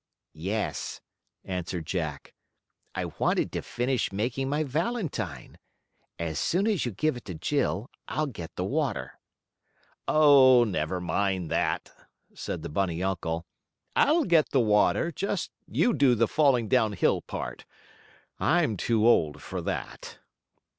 "Yes," answered Jack. "I wanted to finish making my valentine. As soon as you give it to Jill I'll get the water." "Oh, never mind that," said the bunny uncle. "I'll get the water, just you do the falling down hill part. I'm too old for that."